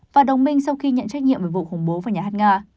và đồng minh sau khi nhận trách nhiệm về vụ khủng bố vào nhà hát nga